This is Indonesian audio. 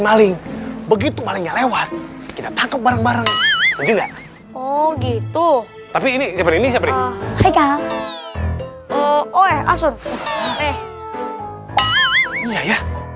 maling begitu malingnya lewat kita tangkap bareng bareng oh gitu tapi ini siapa hai